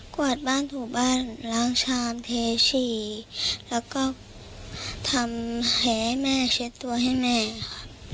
วาดบ้านถูบ้านล้างชามเทฉี่แล้วก็ทำให้แม่เช็ดตัวให้แม่ค่ะ